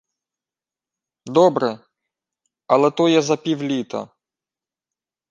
— Добре. Але то є за півліта.